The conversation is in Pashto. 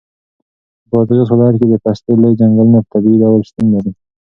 په بادغیس ولایت کې د پستې لوی ځنګلونه په طبیعي ډول شتون لري.